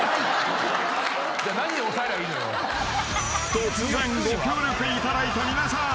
［突然ご協力いただいた皆さん。